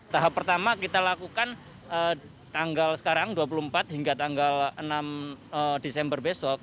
tahap pertama kita lakukan tanggal sekarang dua puluh empat hingga tanggal enam desember besok